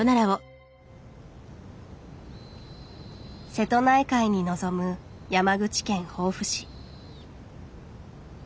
瀬戸内海に臨む山口県防府市。